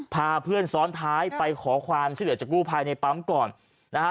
พาเพื่อนซ้อนท้ายไปขอความช่วยเหลือจากกู้ภัยในปั๊มก่อนนะฮะ